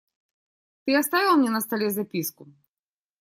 Ты оставил мне на столе записку?